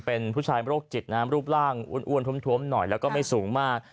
เป็นผู้ชายโรคจิตน้ำรูปร่างอ้วนท้วมหน่อยแล้วก็ไม่สูงมาก